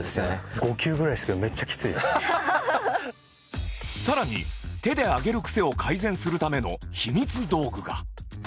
５球ぐらいですけど更に手で上げる癖を改善するための秘密道具が